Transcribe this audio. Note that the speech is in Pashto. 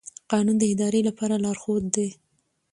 قانون د ادارې لپاره لارښود دی.